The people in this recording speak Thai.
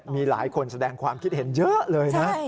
มีหลายคนแสดงความคิดเห็นเยอะเลยนะ